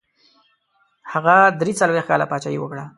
هغه دري څلوېښت کاله پاچهي وکړه.